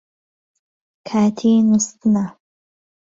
کاتی نووستنە